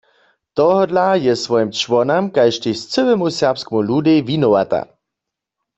Tohodla je swojim čłonam kaž tež cyłemu serbskemu ludej winowata.